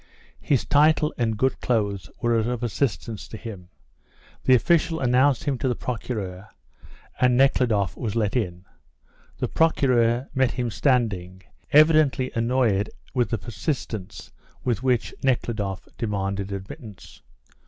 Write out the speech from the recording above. His title and good clothes were of assistance to him. The official announced him to the Procureur, and Nekhludoff was let in. The Procureur met him standing, evidently annoyed at the persistence with which Nekhludoff demanded admittance.